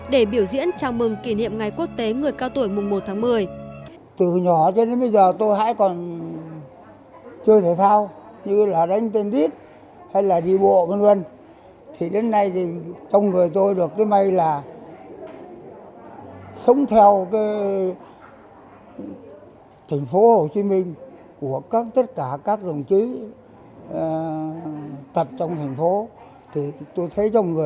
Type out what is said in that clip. để biểu diễn chào mừng kỷ niệm ngày quốc tế người cao tuổi mùng một tháng một mươi